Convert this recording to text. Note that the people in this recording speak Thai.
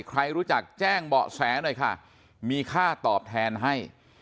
ใครรู้จักแจ้งเบาะแสหน่อยค่ะมีค่าตอบแทนให้